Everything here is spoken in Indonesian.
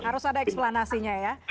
harus ada eksplanasinya ya